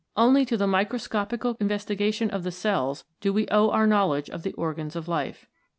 Only to the microscopical investiga tion of the cells do we owe our knowledge of the organs of life.